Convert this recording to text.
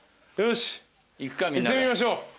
よし行ってみましょう。